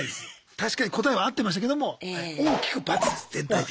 確かに答えは合ってましたけども大きく。